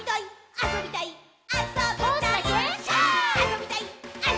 あそびたいっ！！」